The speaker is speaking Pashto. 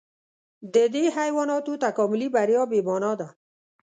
د دې حیواناتو تکاملي بریا بې مانا ده.